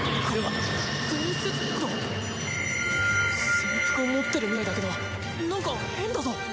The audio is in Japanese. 潜伏を持ってるみたいだけどなんか変だぞ。